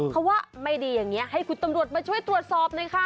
เขาว่าไม่ดีอย่างนี้ให้คุณตำรวจมาช่วยตรวจสอบหน่อยค่ะ